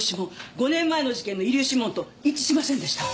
５年前の事件の遺留指紋と一致しませんでした。